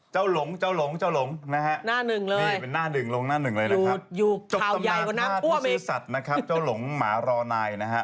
จบตำนานภาพมือเชื้อสัตว์นะครับเจ้าหลงหมารอนายนะครับ